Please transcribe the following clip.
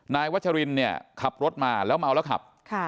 วัชรินเนี่ยขับรถมาแล้วเมาแล้วขับ